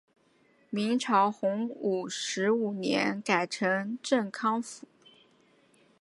明朝洪武十五年改为镇康府。